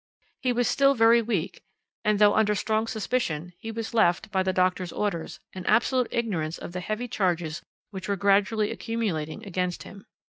"He was still very weak, and though under strong suspicion, he was left, by the doctor's orders, in absolute ignorance of the heavy charges which were gradually accumulating against him.